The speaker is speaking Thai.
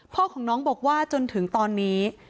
พ่อของน้องบอกว่าจนถึงตอนนี้